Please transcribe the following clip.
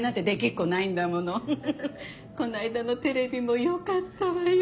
こないだのテレビもよかったわよ。